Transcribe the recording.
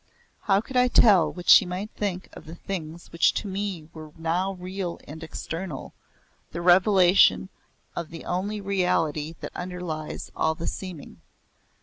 How could I tell what she might think of the things which to me were now real and external the revelation of the only reality that underlies all the seeming.